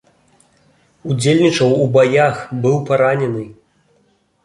Удзельнічаў у баях, быў паранены.